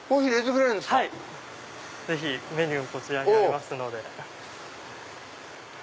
メニューこちらにありますので。